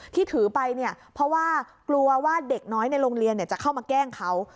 ที่ถือไปเนี่ยเพราะว่ากลัวว่าเด็กน้อยในโรงเรียนจะเข้ามาแกล้งเขา